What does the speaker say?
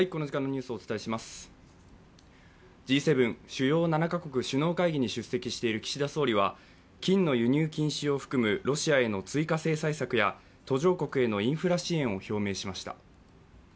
Ｇ７＝主要７か国首脳会議に出席している岸田総理は金の輸入禁止を含むロシアへの追加制裁策や途上国へのインフラ支援を表明しました。